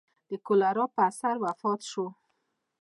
د کولرا په اثر وفات شو.